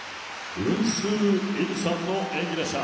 ウンス・イムさんの演技でした。